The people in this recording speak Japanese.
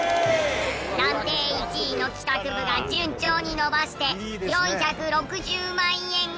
暫定１位の帰宅部が順調に伸ばして４６０万円超え。